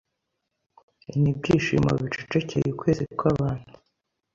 Nibyishimo bicecekeye ukwezi kwabantu